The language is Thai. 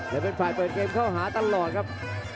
และเป็นฝ่ายเปิดเกมเข้าหาตลอดครับ